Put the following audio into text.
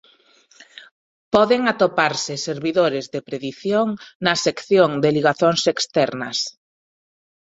Poden atoparse servidores de predición na sección de ligazóns externas.